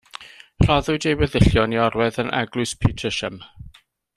Rhoddwyd ei weddillion i orwedd yn Eglwys Petersham.